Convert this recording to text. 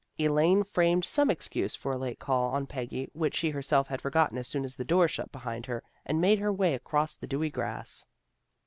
Elaine framed some excuse for a late call on Peggy which she herself had forgotten as soon as the door shut behind her, and made her way across the dewy grass.